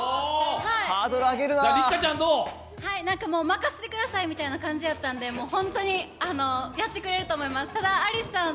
ハードル上げるな任せてくださいみたいな感じやったんでやってくれると思います。